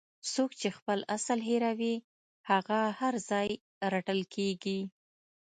څوک چې خپل اصل هیروي هغه هر ځای رټل کیږي.